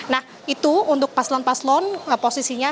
nah itu untuk paslon paslon posisinya